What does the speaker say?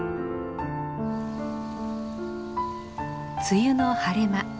梅雨の晴れ間。